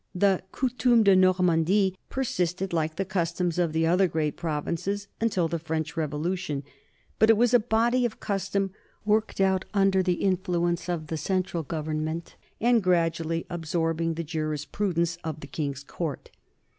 The Coutume de Normandie persisted, like the customs of the other great provinces, until the French Revolution, but it was a body of custom worked out under the influence of the central government and gradually absorbing the juris prudence of the king's court.